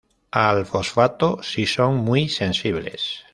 Al fosfato si son muy sensibles.